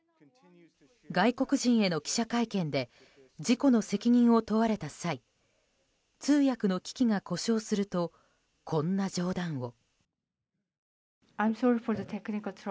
外国人への記者会見で事故の責任を問われた際通訳の機器が故障するとこんな冗談を。